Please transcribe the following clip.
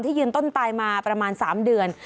ยืนต้นตายมาประมาณ๓เดือน